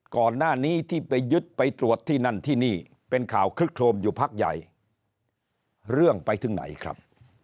ก่อนหน้านี้ที่ไปยึดไปตรวจที่นั่นที่นี่เป็นข่าวคลึกโครมอยู่พักใหญ่เรื่องไปถึงไหนครับ